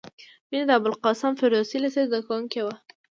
مینه د ابوالقاسم فردوسي لېسې زدکوونکې وه